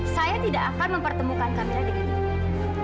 saya tidak akan mempertemukan kamila dengan ibu